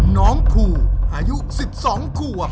น้องภูอายุ๑๒ขวบ